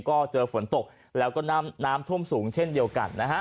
ก็เจอฝนตกแล้วก็น้ำท่วมสูงเช่นเดียวกันนะฮะ